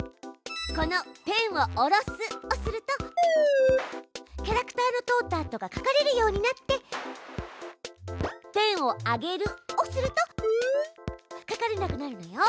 この「ペンを下ろす」をするとキャラクターの通ったあとが描かれるようになって「ペンを上げる」をすると描かれなくなるのよ。